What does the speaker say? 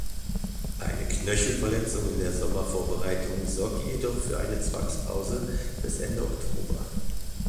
Eine Knöchelverletzung in der Sommervorbereitung sorgte jedoch für eine Zwangspause bis Ende Oktober.